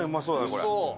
これ。